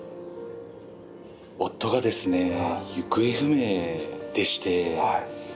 夫がですね行方不明でして。